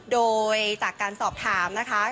โดยจากการสอบถามนะคะ